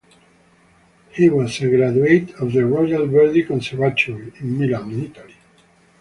He was a graduate of the Royal Verdi Conservatory in Milan, Italy.